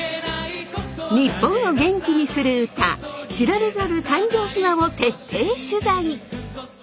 日本を元気にする歌知られざる誕生秘話を徹底取材！